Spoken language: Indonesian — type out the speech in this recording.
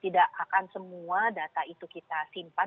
tidak akan semua data itu kita simpan